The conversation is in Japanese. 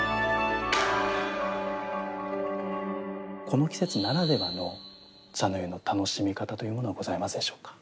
この季節ならではの茶の湯の楽しみ方というものはございますでしょうか？